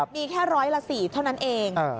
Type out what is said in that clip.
มีแค่ร้อยละ๔เท่านั้นเอง